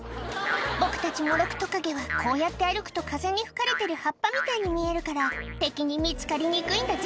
「僕たちモロクトカゲはこうやって歩くと風に吹かれてる葉っぱみたいに見えるから敵に見つかりにくいんだぜ」